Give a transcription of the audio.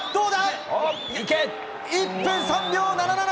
１分３秒７７。